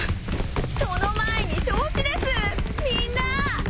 その前に焼死ですみんな！